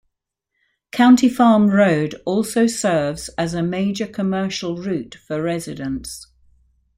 County Farm Road also serves as a major commercial route for residents.